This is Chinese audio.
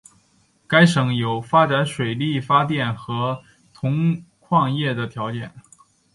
该省有发展水力发电和铜矿业的条件。